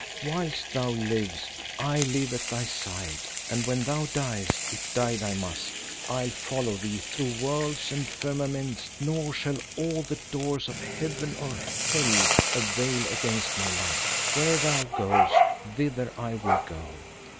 Whilst thou livest I live at thy side, and when thou diest, if die thy must, I'll follow thee through worlds and firmaments, nor shall all the doors of heaven or hell avail against my love. Where thou goest, thither I will go.